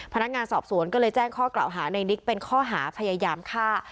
พนักงานสอบสวนก็เลยแจ้งข้อกล่าวหาในนิกเป็นข้อหาพยายามฆ่า